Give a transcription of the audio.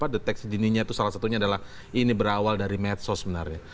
deteksi dininya itu salah satunya adalah ini berawal dari medsos sebenarnya